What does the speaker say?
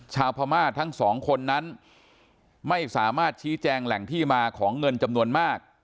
ชาวพม่าทั้งสองคนนั้นไม่สามารถชี้แจงแหล่งที่มาของเงินจำนวนมาก